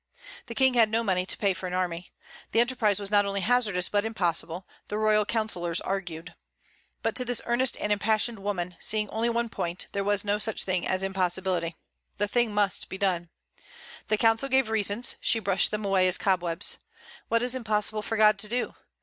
The King had no money to pay for an army. The enterprise was not only hazardous but impossible, the royal counsellors argued. But to this earnest and impassioned woman, seeing only one point, there was no such thing as impossibility. The thing must be done. The council gave reasons; she brushed them away as cobwebs. What is impossible for God to do?